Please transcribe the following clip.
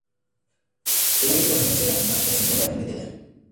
Y la única farmacia de la comarca se encuentra en Beteta.